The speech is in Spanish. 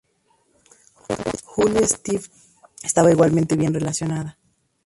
Julia Stephen estaba igualmente bien relacionada.